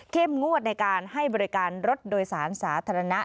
งวดในการให้บริการรถโดยสารสาธารณะ